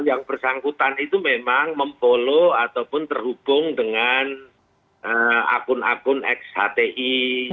yang bersangkutan itu memang memfollow ataupun terhubung dengan akun akun x hti